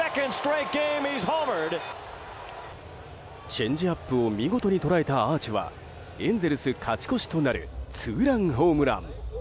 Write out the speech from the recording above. チェンジアップを見事に捉えたアーチはエンゼルス勝ち越しとなるツーランホームラン。